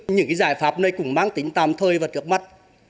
những giải pháp này cũng mang tính tạm thời và trước mắt